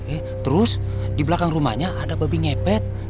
eh terus di belakang rumahnya ada babi ngepet